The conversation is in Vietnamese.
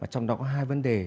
trong đó có hai vấn đề